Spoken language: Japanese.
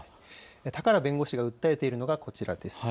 高良弁護士が訴えているのはこちらです。